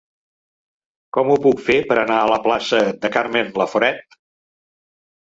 Com ho puc fer per anar a la plaça de Carmen Laforet?